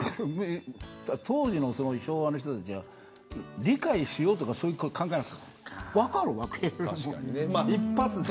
当時の昭和の人たちは理解しようとかそういう考えじゃなく分かるわけ、一発で。